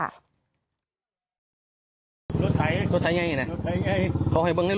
ถ้าเจ้ากบราตรถ้าบาททำ